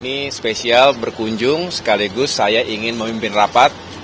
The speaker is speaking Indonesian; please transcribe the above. ini spesial berkunjung sekaligus saya ingin memimpin rapat